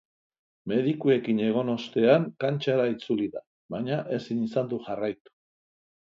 Medikuekin egon ostean kantxara itzuli da, baina ezin izan du jarraitu.